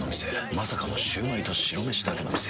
まさかのシュウマイと白めしだけの店。